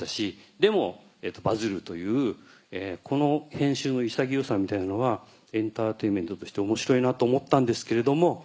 でもバズるというこの編集の潔さみたいなのはエンターテインメントとして面白いなと思ったんですけれども。